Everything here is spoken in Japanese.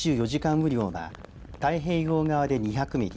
雨量が太平洋側で２００ミリ